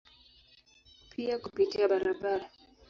Pia kupitia barabara.